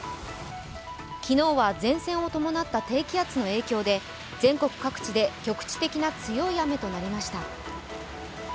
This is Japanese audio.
昨日は前線を伴った低気圧の影響で、全国各地で局地的な強い雨となりました。